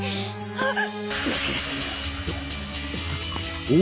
あっ！